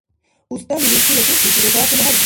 Устани рурсила туфли чебетаахъили хӀербариб.